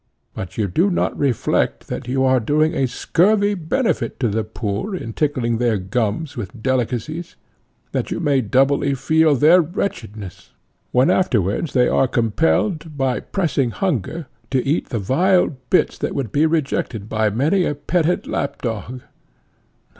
But you do not reflect that you are doing a scurvy benefit to the poor in tickling their gums with delicacies, that they may doubly feel their wretchedness, when afterwards they are compelled, by pressing hunger, to eat the vile bits that would be rejected by many a petted lap dog.